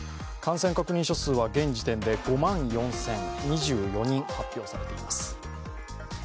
感染確認者数は現時点で５万４０２４人発表されています。